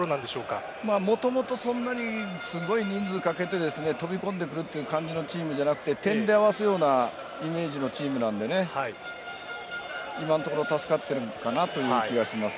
もともとそんなにすごい人数をかけて飛び込んでくるという感じのチームじゃなくて点で合わせるようなイメージのチームなので今のところ助かってるのかなという気がします。